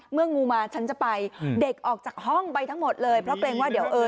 งูมาฉันจะไปเด็กออกจากห้องไปทั้งหมดเลยเพราะเกรงว่าเดี๋ยวเออ